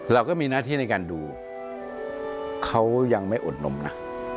เราก็มีหน้าที่ในการดูเขายังไม่อดนมนะ